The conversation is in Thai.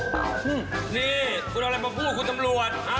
นี่คุณเอาอะไรมาพูดกับคุณตำรวจ